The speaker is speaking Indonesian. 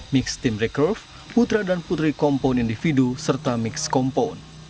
mix team recruf putra dan putri kompon individu serta mix kompon